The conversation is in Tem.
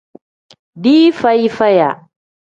Dii feyi faya.